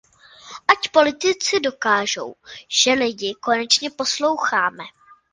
Ať politici dokážou, že lidi konečně posloucháme.